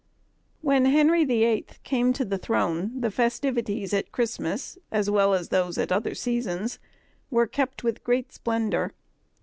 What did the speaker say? WHEN Henry the Eighth came to the throne the festivities at Christmas, as well as those at other seasons, were kept with great splendour.